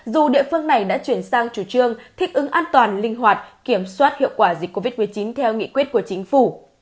dù địa phương này đã chuyển sang chủ trương thích ứng an toàn linh hoạt kiểm soát hiệu quả dịch covid một mươi chín theo nghị quyết của chính phủ